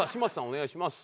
お願いします。